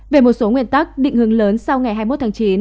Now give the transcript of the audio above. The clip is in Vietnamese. về một số nguyên tắc định hướng lớn sau ngày hai mươi một tháng chín